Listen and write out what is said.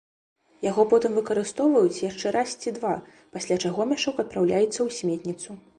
Яго потым выкарыстоўваюць яшчэ раз ці два, пасля чаго мяшок адпраўляецца ў сметніцу.